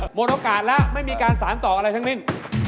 หมดโอกาสแล้วไม่มีการสารต่ออะไรทั้งสิ้น